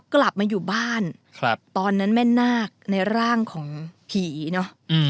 กลับมาอยู่บ้านตอนนั้นแม่นาคในร่างของผีเนอะ